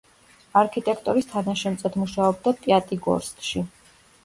არქიტექტორის თანაშემწედ მუშაობდა პიატიგორსკში.